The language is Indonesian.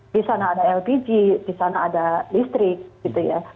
di sana ada lpg di sana ada listrik gitu ya